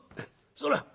そら！